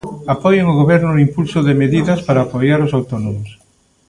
Apoien o Goberno no impulso de medidas para apoiar os autónomos.